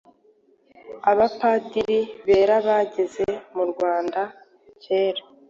Abapadiri bera bageze mu Rwanda kera,